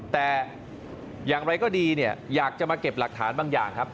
แต่อย่างไรก็ดีเนี่ยอยากจะมาเก็บหลักฐานบางอย่างครับ